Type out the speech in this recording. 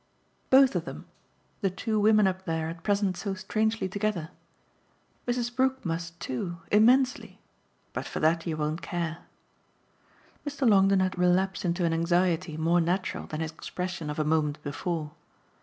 "Both of them the two women up there at present so strangely together. Mrs. Brook must too; immensely. But for that you won't care." Mr. Longdon had relapsed into an anxiety more natural than his expression of a moment before.